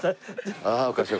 ああおかしい